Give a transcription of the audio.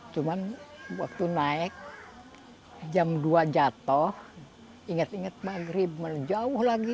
cuma waktu naik jam dua jatuh inget inget maghrib jauh lagi